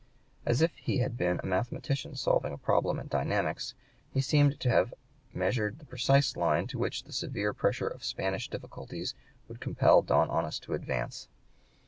As if he had been a mathematician solving a problem in dynamics, he seemed to have measured the precise line to which the severe pressure of Spanish difficulties would compel Don Onis to advance.